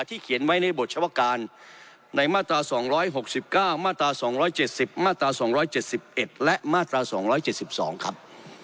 เขียนไว้ในบทเฉพาะการในมาตรา๒๖๙มาตรา๒๗๐มาตรา๒๗๑และมาตรา๒๗๒ครับ